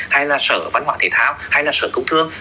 hay là sở văn hóa thể thao hay là sở công thương